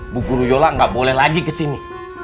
bu guri yola gak boleh lagi kesini